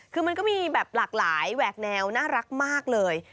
คือมันก็มีแบบหลากหลายแหวกแนวน่ารักมากเลย